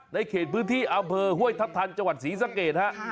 เขตพื้นที่อำเภอห้วยทัพทันจังหวัดศรีสะเกดฮะ